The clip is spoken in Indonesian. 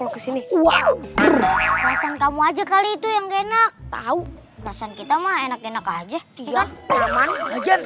kesini wow kamu aja kali itu yang enak tahu tahu kita mah enak enak aja iya